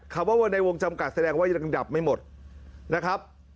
คำว่าในวงจำกัดแสดงว่ายังดับไม่หมดนะครับ